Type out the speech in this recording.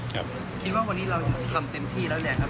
คิดว่าวันนี้เราทำเต็มที่แล้วเนี่ยครับ